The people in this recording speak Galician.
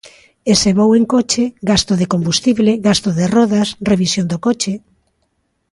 E se vou en coche: gasto de combustible, gasto de rodas, revisión do coche...